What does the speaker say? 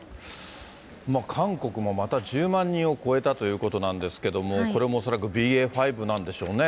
韓国もまた１０万人を超えたということなんですけれども、これも恐らくＢＡ．５なんでしょうね。